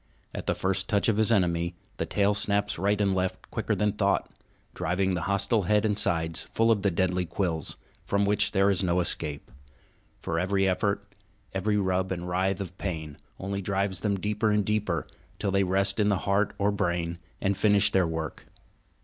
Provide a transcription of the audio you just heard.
At the first touch of his enemy the tail snaps right and left quicker than thought, driving the hostile head and sides full of the deadly quills, from which there is no escape; for every effort, every rub and writhe of pain, only drives them deeper and deeper, till they rest in heart or brain and finish their work.